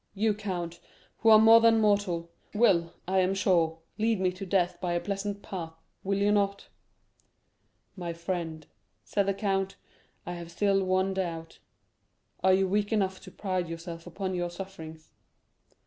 You, count, who are more than mortal, will, I am sure, lead me to death by a pleasant path, will you not?" 50267m "My friend," said the count, "I have still one doubt,—are you weak enough to pride yourself upon your sufferings?"